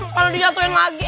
kalau di notamment lagi